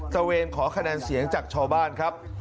เวรขอคะแนนเสียงจากชาวบ้านครับ